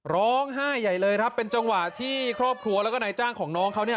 ร้องไห้ใหญ่เลยครับเป็นจังหวะที่ครอบครัวแล้วก็นายจ้างของน้องเขาเนี่ย